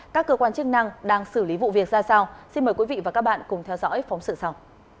các cơ quan chức năng đang xử lý vụ việc ra sao xin mời quý vị và các bạn cùng theo dõi phóng sự sau